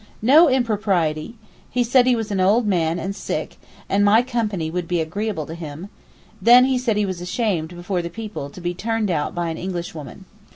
No impropriety! he said he was an old man and sick, and my company would be agreeable to him; then he said he was ashamed before the people to be turned out by an English woman.